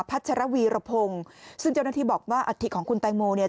ัชรวีรพงศ์ซึ่งเจ้าหน้าที่บอกว่าอัฐิของคุณแตงโมเนี่ย